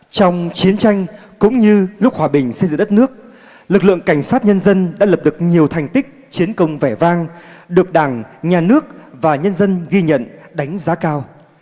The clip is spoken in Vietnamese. trong chiến tranh cũng như lúc hòa bình xây dựng đất nước lực lượng cảnh sát nhân dân đã lập được nhiều thành tích chiến công vẻ vang được đảng nhà nước và nhân dân ghi nhận đánh giá cao